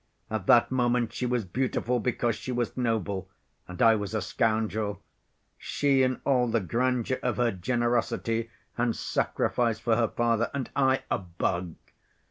At that moment she was beautiful because she was noble, and I was a scoundrel; she in all the grandeur of her generosity and sacrifice for her father, and I—a bug!